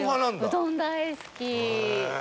うどん大好き。